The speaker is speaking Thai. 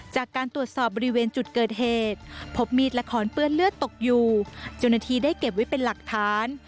จากการตรวจสอบบริเวณจุดเกิดเหตุพบมีดและขอนเปื้อนเลือดตกอยู่เจ้าหน้าที่ได้เก็บไว้เป็นหลักฐาน